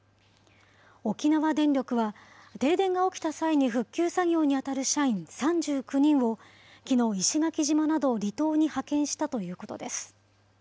沖縄電力は、停電が起きた際に復旧作業に当たる社員３９人を、きのう、石垣島など離島に派遣したということです。